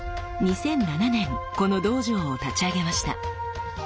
２００７年この道場を立ち上げました。